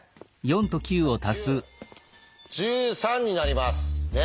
１３になります。